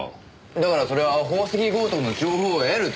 だからそれは宝石強盗の情報を得るために。